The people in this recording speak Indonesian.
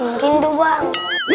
ngirim tuh bang